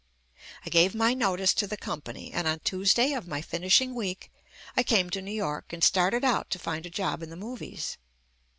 I gave my notice to the Company and on Tuesday of my finishing week I came to New York and started out to find a job in the movies.